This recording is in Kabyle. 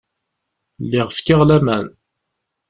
Lliɣ fkiɣ laman.